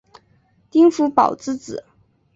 丁福保之子。